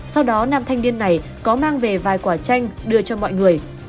sau đó nam thanh niên này có mang về vài quả chanh đưa cho mọi người